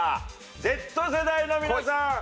Ｚ世代の皆さん